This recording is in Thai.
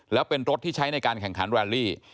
แล้วเป็นรถที่ใช้ในการแข่งขันแวลลี่